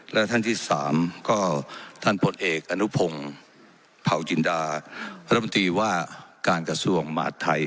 และท่านที่๓ก็ท่านพลเอกอนุพงศ์เผาจินดารัฐมนตรีว่าการกระทรวงมหาดไทย